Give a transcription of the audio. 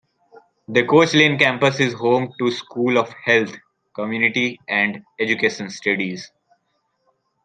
The Coach Lane Campus is home to School of Health, Community and Education Studies.